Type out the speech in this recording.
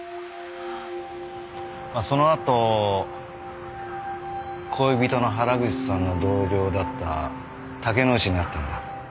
そのあと恋人の原口さんの同僚だった竹之内に会ったんだ？